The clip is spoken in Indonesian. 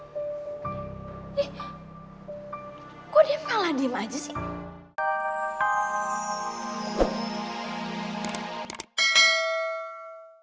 kok dia malah diem aja sih